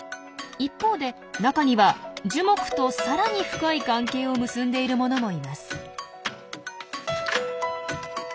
一方で中には樹木とさらに深い関係を結んでいるものもいます。